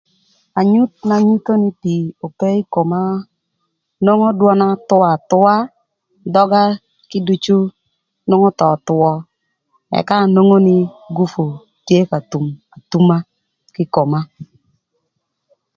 Anyuth na nyutho nï pii ope ï koma nwongo dwöna thwö athwöa, dhöga kiducu nwongo thon öthwö ëka anwongo nï gupu tye ka thum athuma kï ï koma.